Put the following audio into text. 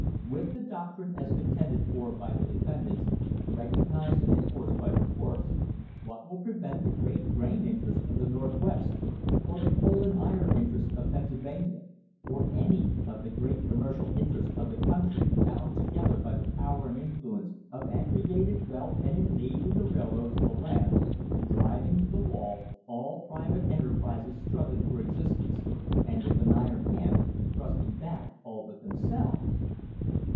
With the doctrine, as contended for by the defendants, recognised and enforced by the courts, what will prevent the great grain interest of the Northwest, or the coal and iron interests of Pennsylvania, or any of the great commercial interests of the country bound together by the power and influence of aggregated wealth and in league with the railroads of the land, driving to the wall all private enterprises struggling for existence, and with an iron hand thrusting back all but them selves?"